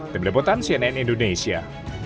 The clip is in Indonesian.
demi deputan cnn indonesia